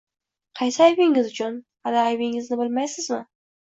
— Qaysi aybingiz uchun? Hali, aybingizni bilmaysizmi?